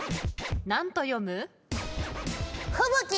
何と読む？